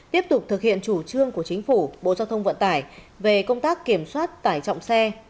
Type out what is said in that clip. tiếp tục thực hiện chủ trương của chính phủ bộ giao thông vận tải về công tác kiểm soát tải trọng xe